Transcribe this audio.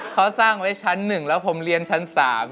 เขาสร้างไว้ชั้นหนึ่งแล้วผมเรียนชั้นสาม